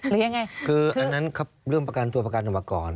หรือยังไงคืออันนั้นครับเรื่องประกันตัวประกันออกมาก่อน